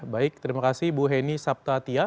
baik terima kasih bu heni sabtatia